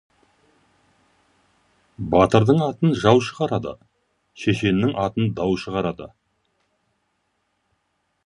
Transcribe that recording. Батырдың атын жау шығарады, шешеннің атын дау шығарды.